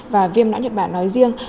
và viêm não nhật bản nói riêng